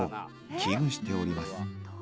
「危惧しております」